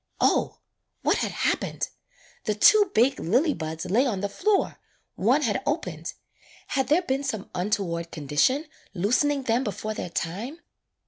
O, what had happened! The two big lily buds lay on the .floor, one had opened. Had there been some untoward condition loosening them before their time